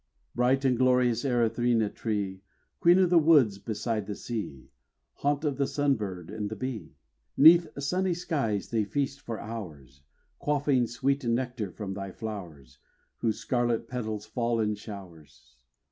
Bright, glorious Erythrina tree, Queen of the woods beside the sea, Haunt of the sun bird and the bee. 'Neath sunny skies they feast for hours, Quaffing sweet nectar from thy flow'rs, Whose scarlet petals fall in showers.